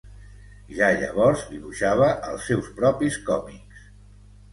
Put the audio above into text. Ja llavors, dibuixava els seus propis còmics.